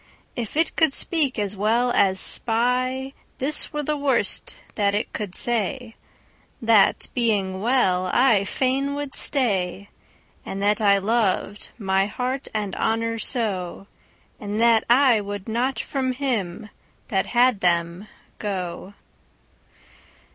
If it could speak as well as spy, This were the worst that it could say:—That, being well, I fain would stay, And that I lov'd my heart and honour so, That I would not from him, that had them, go.